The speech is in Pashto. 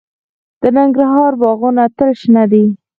د ننګرهار باغونه تل شنه دي.